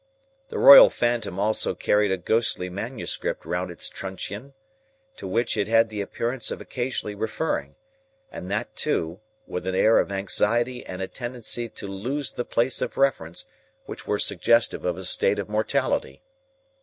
The royal phantom also carried a ghostly manuscript round its truncheon, to which it had the appearance of occasionally referring, and that too, with an air of anxiety and a tendency to lose the place of reference which were suggestive of a state of mortality.